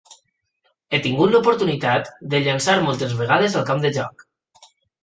"He tingut l"oportunitat de llençar moltes vegades al camp de joc.